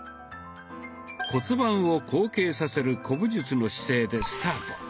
骨盤を後傾させる古武術の姿勢でスタート。